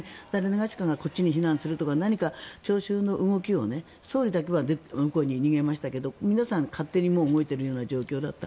こっちに避難するとか何か聴衆の動きを総理だけは逃げましたけど皆さん、勝手に動いているような状況だった。